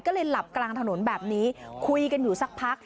ก็เลยหลับกลางถนนแบบนี้คุยกันอยู่สักพัก